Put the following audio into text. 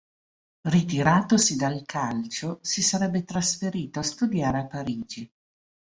Ritiratosi dal calcio, si sarebbe trasferito a studiare a Parigi.